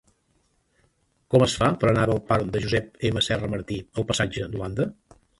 Com es fa per anar del parc de Josep M. Serra Martí al passatge d'Holanda?